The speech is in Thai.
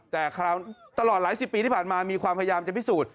แต่คราวตลอดหลายสิบปีที่ผ่านมามีความพยายามจะพิสูจน์